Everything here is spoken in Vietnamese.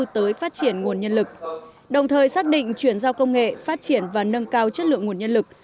tới phát triển nguồn nhân lực đồng thời xác định chuyển giao công nghệ phát triển và nâng cao chất lượng nguồn nhân lực